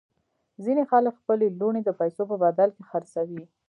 ځینې خلک خپلې لوڼې د پیسو په بدل کې خرڅوي.